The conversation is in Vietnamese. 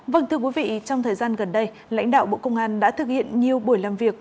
vâng thưa quý vị trong thời gian gần đây lãnh đạo bộ công an đã thực hiện nhiều buổi làm việc